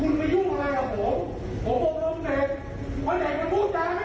หัวเหมาะไว้เนี่ยหัวเหมาะไว้มาสอนกูทำไม